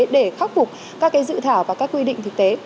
để khắc phục các dự thảo và các quy định thực tế